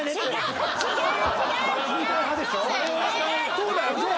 ⁉そうだよね？